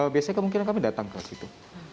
biasanya kemungkinan kami datang ke situ